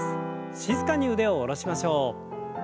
静かに腕を下ろしましょう。